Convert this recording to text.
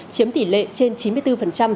chiếm tỷ lệ trên chín mươi bốn